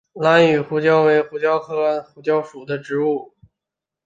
兰屿胡椒为胡椒科胡椒属的植物。